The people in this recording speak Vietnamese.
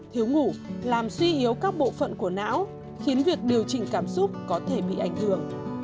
thiếu ngủ làm suy yếu các bộ phận của não khiến việc điều chỉnh cảm xúc có thể bị ảnh hưởng